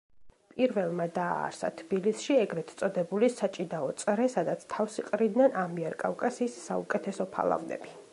პირველმა დააარსა თბილისში ეგრეთ წოდებული საჭიდაო წრე, სადაც თავს იყრიდნენ ამიერკავკასიის საუკეთესო ფალავნები.